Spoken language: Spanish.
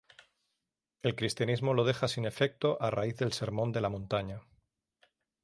El cristianismo lo deja sin efecto a raíz del Sermón de la montaña.